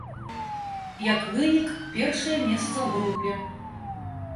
Як вынік, першае месца ў групе.